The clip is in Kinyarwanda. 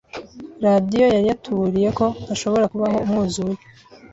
Radiyo yari yatuburiye ko hashobora kubaho umwuzure.